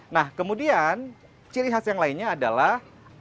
nah kemudian ciri khas yang lainnya adalah